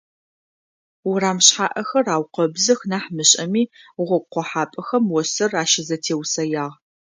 Урам шъхьаӀэхэр аукъэбзых нахь мышӀэми, гъогу къохьапӀэхэм осыр ащызэтеусэягъ.